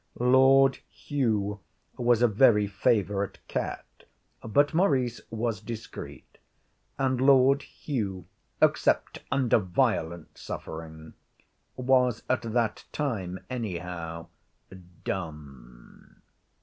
Lord Hugh was a very favourite cat, but Maurice was discreet, and Lord Hugh, except under violent suffering, was at that time anyhow, dumb.